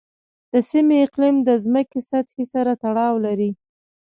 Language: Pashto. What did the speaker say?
د سیمې اقلیم د ځمکې سطحې سره تړاو لري.